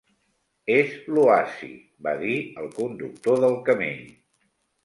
"És l'oasi", va dir el conductor del camell.